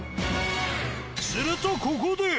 するとここで。